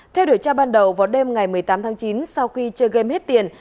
theo đuổi tra ban đầu vào đêm ngày một mươi tám tháng chín sau khi chơi game hết tiền